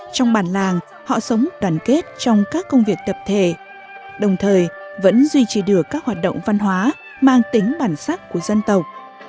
trong bản làng họ sống đoàn kết trong các công việc tập thể đồng thời vẫn duy trì được các hoạt động văn hóa mang tính bản sắc của dân tộc